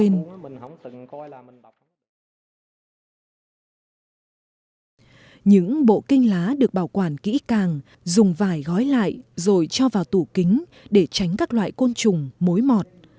những bộ kinh lá được bảo quản kỹ càng dùng vải gói lại rồi cho vào tủ kính để tránh các loại côn trùng mối mọt